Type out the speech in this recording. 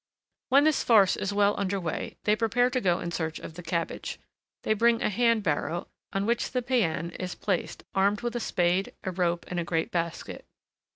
When this farce is well under way, they prepare to go in search of the cabbage. They bring a hand barrow, on which the païen is placed, armed with a spade, a rope, and a great basket.